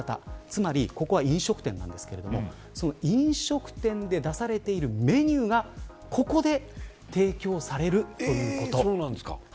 つまりここは飲食店なんですが飲食店で出されているメニューがここで提供されるということ。